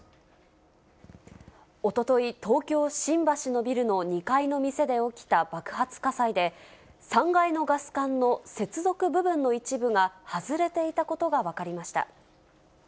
おととい、東京・新橋のビルの２階の店で起きた爆発火災で、３階のガス管の接続部分の一部が外れていたことが分かりました。